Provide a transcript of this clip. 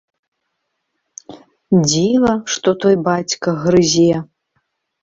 Дзіва што той бацька грызе.